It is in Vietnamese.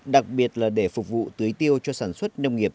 đặc biệt là để phục vụ tưới tiêu cho sản xuất nông nghiệp